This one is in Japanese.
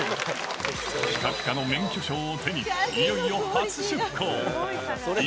ぴかぴかの免許証を手に、いよいよ初出航。